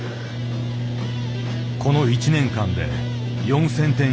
この一年間で４，０００点以上。